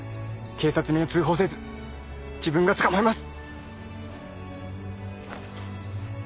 警察に通報せず自分が捕まえます。